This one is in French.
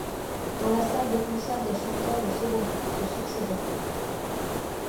Dans la salle de concert des chanteurs de second plan se succédaient.